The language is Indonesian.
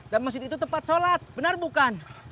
dan mesin itu tempat sholat benar bukan